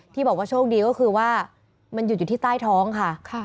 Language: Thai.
ที่บอกว่าโชคดีก็คือว่ามันหยุดอยู่ที่ใต้ท้องค่ะ